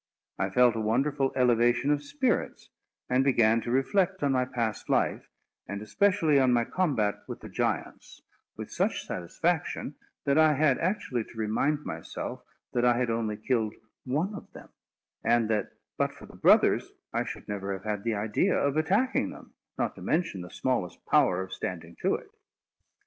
I felt a wonderful elevation of spirits, and began to reflect on my past life, and especially on my combat with the giants, with such satisfaction, that I had actually to remind myself, that I had only killed one of them; and that, but for the brothers, I should never have had the idea of attacking them, not to mention the smallest power of standing to it.